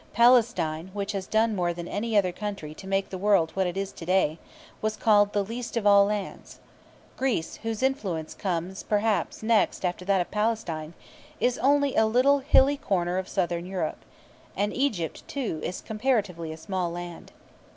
Palestine, which has done more than any other country to make the world what it is to day, was called "the least of all lands." Greece, whose influence comes, perhaps, next after that of Palestine, is only a little hilly corner of Southern Europe. And Egypt, too, is comparatively a small land.